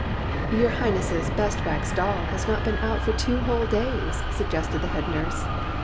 ''Your Highness's best wax doll has not been out for two whole days," suggested the head nurse.